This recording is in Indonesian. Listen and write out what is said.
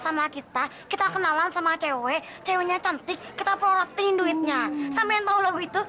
sama kita kita kenalan sama cewek ceweknya cantik kita perutin duitnya sampai nolong itu